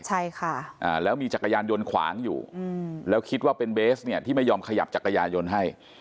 ใช่ค่ะอ่าแล้วมีจักรยานยนต์ขวางอยู่แล้วคิดว่าเป็นเบสเนี่ยที่ไม่ยอมขยับจักรยานยนต์ให้